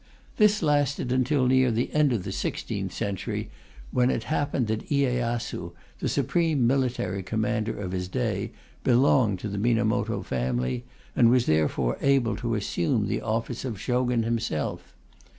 This lasted until near the end of the sixteenth century, when it happened that Iyeyasu, the supreme military commander of his day, belonged to the Minamoto family, and was therefore able to assume the office of Shogun himself.